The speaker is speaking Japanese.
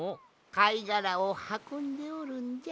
かいがらをはこんでおるんじゃ。